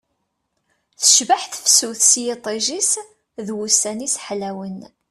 Tecbeḥ tefsut s yiṭij-is d wussan-is ḥlawen